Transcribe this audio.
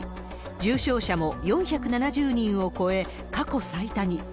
重症者も４７０人を超え、過去最多に。